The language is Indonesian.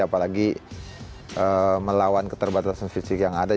apalagi melawan keterbatasan fisik yang ada